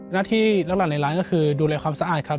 หน้าที่หลักในร้านก็คือดูแลความสะอาดครับ